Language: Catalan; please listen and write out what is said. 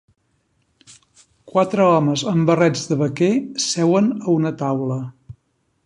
Quatre homes amb barrets de vaquer seuen a una taula.